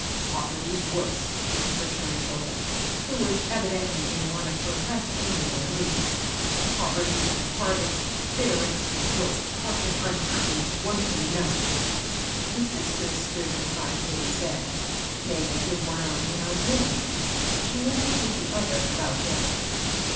" Poverty's worse !" returned Hilda, who was evidently in one of her less amiable moods. " Poverty's the hardest, bitterest, most crushing unhappiness one can know I" THE BAD HEART. . 125 ' The Sisters stood beside Lilly's bed ; Mabel with one arm around Minnie. She now put the other about Hilda.